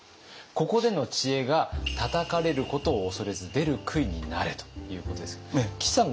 ここでの知恵が「たたかれることを恐れず“出る杭”になれ」ということですが岸さん